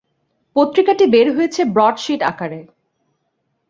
পত্রিকাটি বের হয়েছে "ব্রড শিট" আকারে।